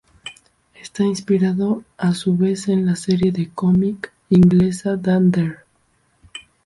Está inspirado, a su vez, en la serie de cómic inglesa "Dan Dare".